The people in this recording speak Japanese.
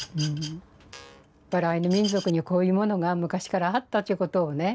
やっぱりアイヌ民族にこういうものが昔からあったっちゅうことをね